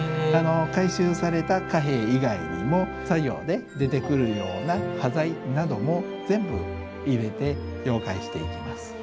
回収された貨幣以外にも作業で出てくるような端材なども全部入れて溶解していきます。